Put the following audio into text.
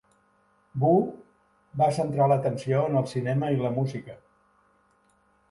Wu va centrar l'atenció en el cinema i la música.